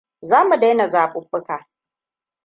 Za mu daina zaɓuɓɓuka.